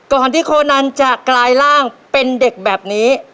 ก่อนที่โคนันจะกลายร่างเป็นเด็กแบบนี้